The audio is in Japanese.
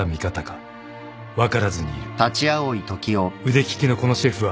［腕利きのこのシェフは］